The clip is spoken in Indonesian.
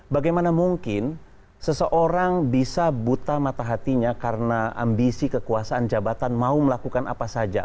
bagaimana mungkin seseorang bisa buta mata hatinya karena ambisi kekuasaan jabatan mau melakukan apa saja